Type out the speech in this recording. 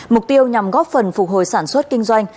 mục tiêu nhằm góp phần phục hồi sản xuất kinh doanh